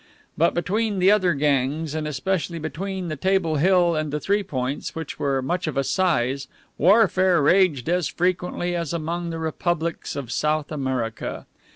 But between the other gangs, and especially between the Table Hill and the Three Points, which were much of a size, warfare raged as frequently as among the Republics of South America.